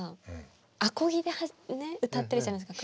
アコギでね歌ってるじゃないですか